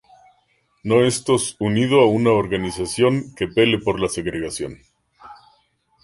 No estos unido a una organización que pele por la segregación.